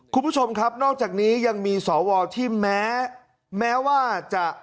คุณผู้ชมครับนอกจากนี้ยังมีสวที่แม้แม้ว่าจะ